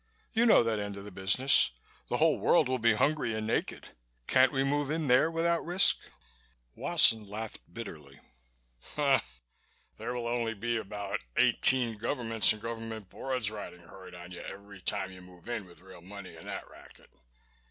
"You know that end of the business. The whole world will be hungry and naked. Can't we move in there without risk?" Wesson laughed bitterly. "There will be only about eighteen governments and government boards riding herd on you every time you move in with real money in that racket.